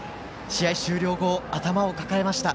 試合終了後、頭を抱えました。